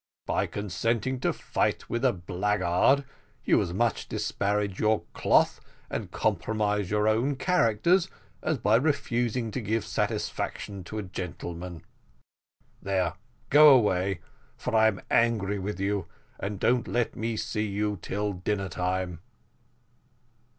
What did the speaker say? By consenting to fight with a blackguard, you as much disparage your cloth and compromise your own characters, as by refusing to give satisfaction to a gentleman. There, go away, for I'm angry with you, and don't let me see you till dinner time."